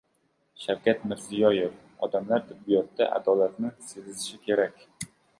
Shavkat Mirziyoyev: Odamlar tibbiyotda adolatni sezishi kerak